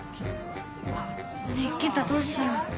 ねえ健太どうしよう？